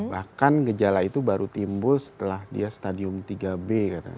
bahkan gejala itu baru timbul setelah dia stadium tiga b